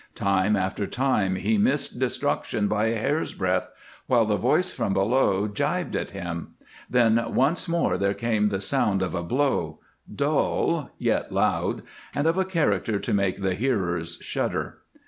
Time after time he missed destruction by a hair's breadth, while the voice from below gibed at him, then once more there came the sound of a blow, dull, yet loud, and of a character to make the hearers shudder.